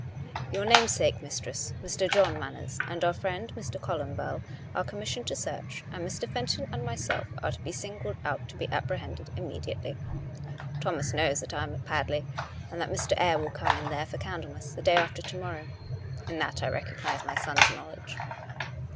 Your name sake, mistress, Mr. John Manners, and our friend ]\Ir. Columbell, are commissioned to search; and Mr. Fenton COME RACK! COME ROPE! 369 and myself are singled out to be apprehended immediately. Thomas knows that I am at Padley, and that Mr. Eyre will come in there for Candlemas, the day after to morrow; in that I recognize my son's knowledge.